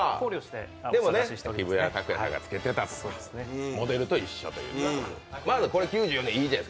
木村拓哉さんが着けていたモデルと一緒ということで。